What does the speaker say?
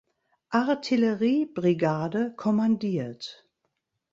Artilleriebrigade kommandiert.